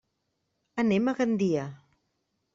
Anem a Gandia.